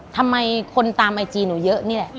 ทำไมคนตามไอจีหนูเยอะนี่แหละ